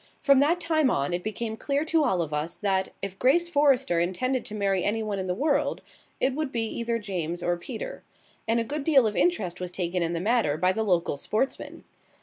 From that time on it became clear to all of us that, if Grace Forrester intended to marry anyone in the place, it would be either James or Peter; and a good deal of interest was taken in the matter by the local sportsmen.